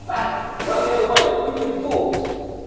"Back! Run the other way! We've been fools!"